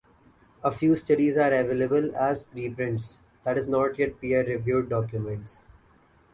A few studies are available as preprints (that is not yet peer reviewed) documents.